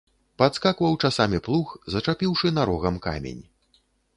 Падскакваў часамі плуг, зачапіўшы нарогам камень.